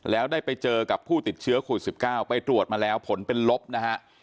แล้วได้ไปเจอกับผู้ติดเชื้อโควิด๑๙ไปตรวจมาแล้วผลเป็นลบนะฮะ